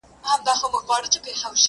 كومه چېغه به كي سره ساړه رګونه!!